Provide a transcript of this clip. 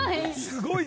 すごい。